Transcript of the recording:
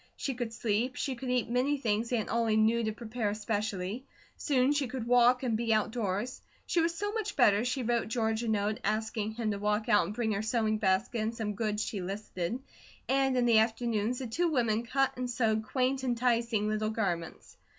She could sleep, she could eat many things Aunt Ollie knew to prepare especially; soon she could walk and be outdoors. She was so much better she wrote George a note, asking him to walk out and bring her sewing basket, and some goods she listed, and in the afternoons the two women cut and sewed quaint, enticing little garments.